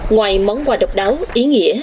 ngoài món quà độc đáo ý nghĩa